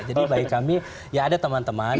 jadi bagi kami ya ada teman teman